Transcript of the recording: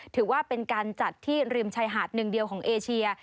ถือว่าเป็นการจัดที่ริมชายหาดหนึ่งเดียวของเอเชีย